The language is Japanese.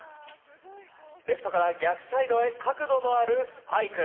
レフトから逆サイドへ角度のあるスパイク！